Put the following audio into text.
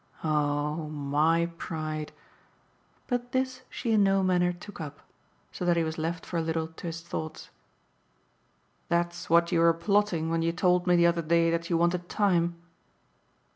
"Oh MY pride !" But this she in no manner took up; so that he was left for a little to his thoughts. "That's what you were plotting when you told me the other day that you wanted time?"